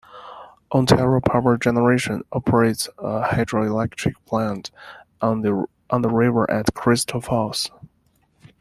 Ontario Power Generation operates a hydroelectric plant on the river at Crystal Falls.